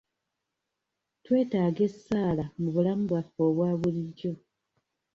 Twetaaga essaala mu bulamu bwaffe obwa bulijjo.